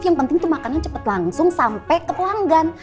yang penting tuh makanan cepet langsung sampe ke pelanggan